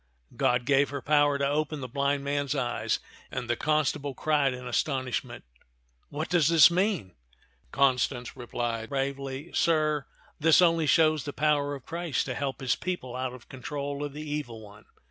God gave her the power to open the blind man's eyes; and the constable cried in astonishment, "What does this mean ?" Constance replied bravely, " Sir, this only shows the power of Christ to help his people out of the control of the evil one."